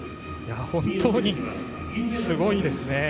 本当にすごいですね。